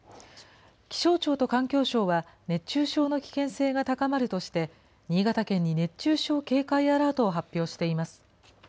気象庁と環境省は、熱中症の危険性が高まるとして、新潟県に熱中症警戒アラートを発表しています。